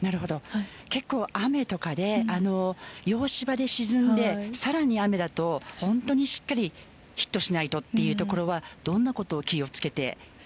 結構、雨とかで洋芝で沈んで、さらに雨だと本当にしっかりヒットしないとというところはどんなことを気をつけて？